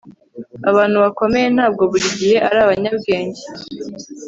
Abantu bakomeye ntabwo buri gihe ari abanyabwenge